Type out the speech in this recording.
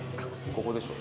ここでしょう